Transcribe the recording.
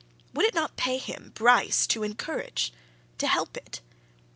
Would it not pay him, Bryce, to encourage, to help it?